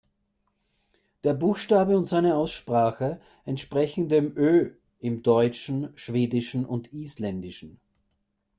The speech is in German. Der Buchstabe und seine Aussprache entsprechen dem „Ö“ im Deutschen, Schwedischen und Isländischen.